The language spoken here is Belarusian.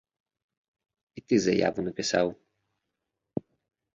І ты заяву напісаў.